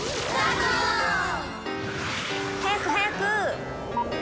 早く早く！